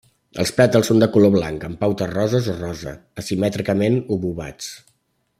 Els pètals són de color blanc amb pautes roses o rosa, asimètricament obovats.